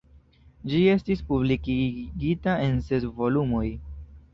Ĝi estis publikigita en ses volumoj.